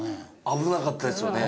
危なかったですよね。